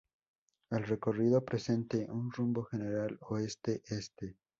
El recorrido presenta un rumbo general oeste-este.